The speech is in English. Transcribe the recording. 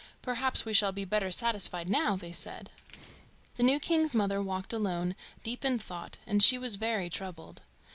"Perhaps we shall be better satisfied now!" they said. The new king's mother walked alone, deep in thought; and she was very troubled.